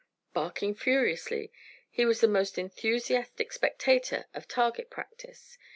Barking furiously, he was the most enthusiastic spectator of target practise.